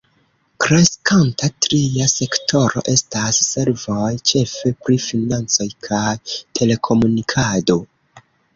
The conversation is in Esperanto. Kreskanta tria sektoro estas servoj, ĉefe pri financoj kaj telekomunikado.